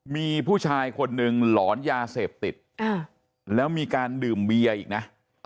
มีผู้ชายคนหนึ่งหลอนยาเสพติดแล้วมีการดื่มเบียร์อีกนะ